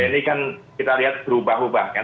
ini kan kita lihat berubah ubah kan